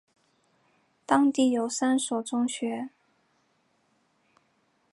当地有三所中学。